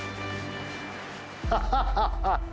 ハハハハハ